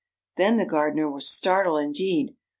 Then the gardener was startled indeed.